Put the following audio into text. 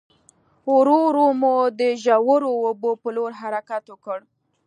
ورو ورو مو د ژورو اوبو په لور حرکت وکړ.